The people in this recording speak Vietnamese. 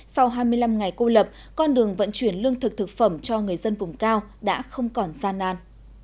sau hai mươi năm ngày cô lập con đường vận chuyển lương thực thực phẩm cho người dân vùng cao đã không còn gian nan